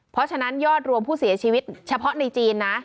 เพราะฉะนั้นยอดรวมผู้เสียชีวิตเฉพาะในจีนนะ